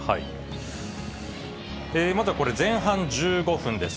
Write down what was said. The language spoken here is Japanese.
まずはこれ、前半１５分です。